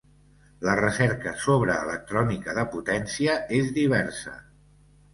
La recerca sobre electrònica de potència és diversa.